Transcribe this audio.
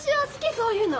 そういうの。